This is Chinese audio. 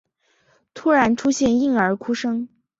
突然出现婴儿哭声